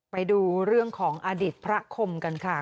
ไปดูเรื่องของอดีตพระคมกันค่ะ